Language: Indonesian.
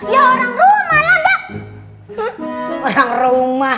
ya orang rumah lah mbak